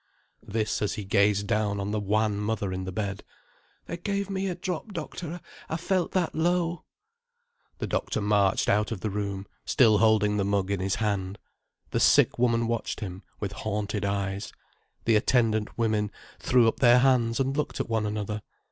This as he gazed down on the wan mother in the bed. "They gave me a drop, doctor. I felt that low." The doctor marched out of the room, still holding the mug in his hand. The sick woman watched him with haunted eyes. The attendant women threw up their hands and looked at one another.